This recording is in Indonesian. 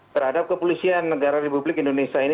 terhadap kepolisian negara republik indonesia ini